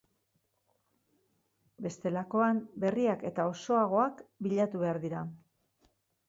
Bestelakoan, berriak eta osoagoak bilatu behar dira.